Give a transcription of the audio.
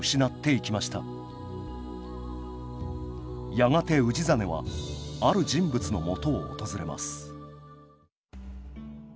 やがて氏真はある人物のもとを訪れます